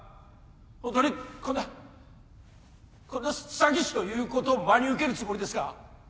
ホントにこんなこんな詐欺師の言うことを真に受けるつもりですか？